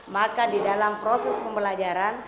maka di dalam proses pembelajaran